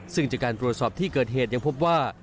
ซึ่งจากการตรวจสอบที่เกิดเหตุยังพบว่า